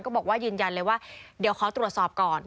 บอกว่ายืนยันเลยว่าเดี๋ยวขอตรวจสอบก่อน